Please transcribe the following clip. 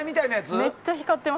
めっちゃ光ってます。